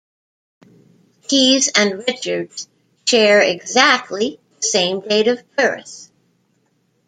Keys and Richards share exactly the same date of birth.